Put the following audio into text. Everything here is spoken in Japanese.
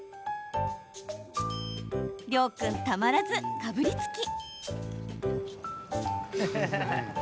涼君、たまらず、かぶりつき。